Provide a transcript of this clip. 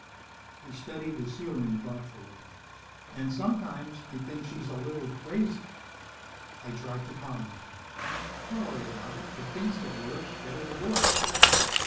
He studied the ceiling thoughtfully. "And sometimes I think she's a little crazy." I tried to calm him, "Don't worry about it. If things get worse, get a divorce."